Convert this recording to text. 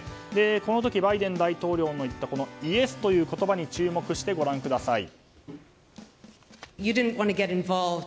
この時、バイデン大統領の言ったイエスという言葉に注目してご覧ください。